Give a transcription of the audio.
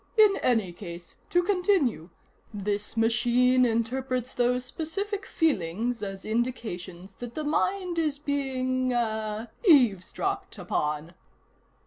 "In any case, to continue: this machine interprets those specific feelings as indications that the mind is being ah 'eavesdropped' upon."